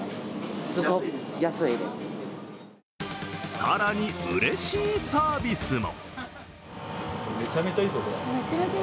更に、うれしいサービスも。